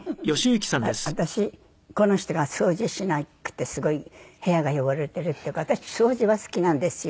私この人が掃除しなくてすごい部屋が汚れてるっていうから私掃除は好きなんですよ。